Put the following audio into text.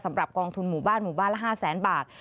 สำหรับกองทุนหมู่บ้านหมู่บ้านละ๕๐๐๐๐๐บาท